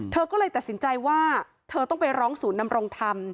เธอก็เลยตัดสินใจว่าเธอต้องไปร้องศูนย์นำรงธรรม